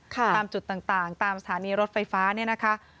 ตามจุดต่างตามสถานีรถไฟฟ้าเนี่ยนะคะ